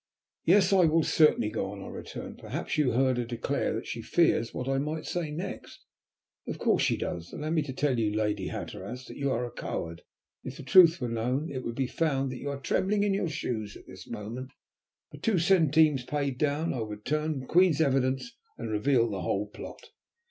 "Yes, I will certainly go on," I returned. "Perhaps you heard her declare that she fears what I may say next. Of course she does. Allow me to tell you, Lady Hatteras, that you are a coward. If the truth were known, it would be found that you are trembling in your shoes at this moment. For two centimes, paid down, I would turn Queen's evidence, and reveal the whole plot."